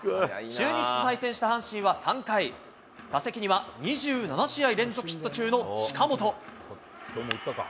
中日と対戦した阪神は３回、打席には２７試合連続ヒット中の近本。